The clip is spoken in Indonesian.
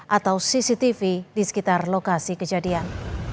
atau cctv di sekitar lokasi kejadian